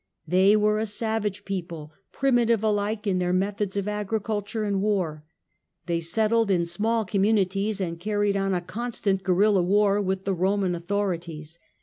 They were a savage people, primitive alike in their methods of agriculture and war. They settled in small communities, and carried on a constant guerilla war with the Roman authorities.